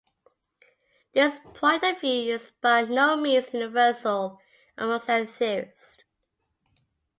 This point of view is by no means universal among set theorists.